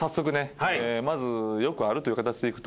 まずよくあるという形でいくと。